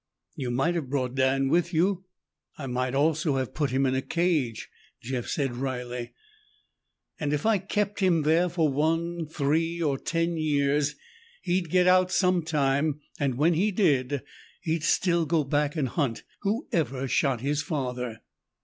"You might have brought Dan with you." "I might also have put him in a cage," Jeff said wryly. "And if I kept him there for one, three, or ten years, he'd get out some time. When he did, he'd still go back and hunt whoever shot his father."